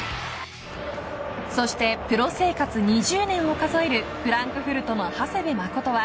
そしてプロ生活２０年を数えるフランクフルトの長谷部誠は